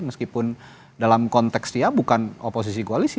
meskipun dalam konteks dia bukan oposisi koalisi